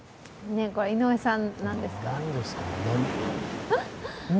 井上さん、何ですか？